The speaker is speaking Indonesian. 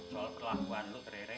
soal perlakuan lo ke rere